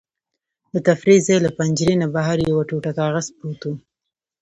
د تفریح ځای له پنجرې نه بهر یو ټوټه کاغذ پروت و.